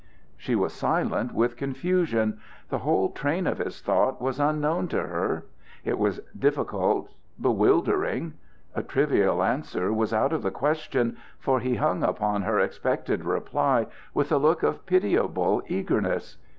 She was silent with confusion. The whole train of his thought was unknown to her. It was difficult, bewildering. A trivial answer was out of the question, for he hung upon her expected reply with a look of pitiable eagerness.